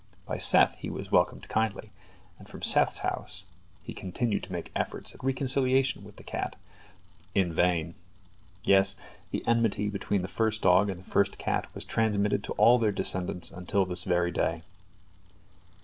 By Seth he was welcomed kindly, and from Seth's house, he continued to make efforts at reconciliation with the cat. In vain. Yes, the enmity between the first dog and the first cat was transmitted to all their descendants until this very day.